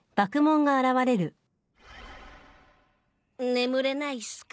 眠れないっすか？